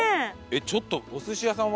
ちょっとお寿司屋さんは？